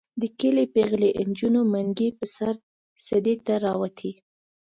د کلي پېغلې نجونې منګي په سر سدې ته راوتې.